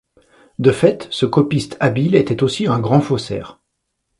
De fait, ce copiste habile était aussi un grand faussaire.